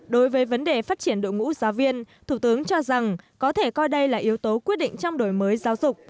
đối với vấn đề phát triển đội ngũ giáo viên thủ tướng cho rằng có thể coi đây là yếu tố quyết định trong đổi mới giáo dục